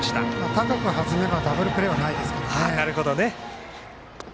高く弾めばダブルプレーはないですからね。